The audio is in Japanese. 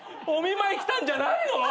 お見舞い来たんじゃないの？